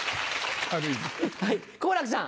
はい好楽さん。